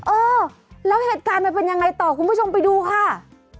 เออแล้วเหตุการณ์มันเป็นยังไงต่อคุณผู้ชมไปดูค่ะ